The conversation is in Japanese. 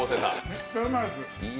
めっちゃうまいです。